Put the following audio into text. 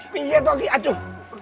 pijet lagi aduh